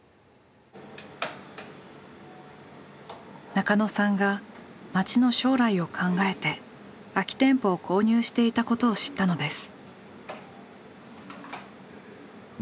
中野さんが街の将来を考えて空き店舗を購入していたことを知ったのです。